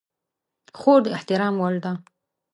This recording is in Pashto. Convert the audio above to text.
خور د احترام وړ ده.